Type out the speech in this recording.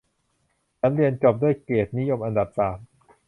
ฉันเรียนจบด้วยเกียรตินิยมอันดับสาม